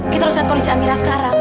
kita harus lihat kondisi amira sekarang